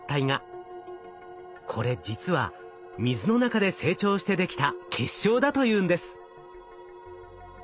これ実は水の中で成長して出来た結晶だというんです。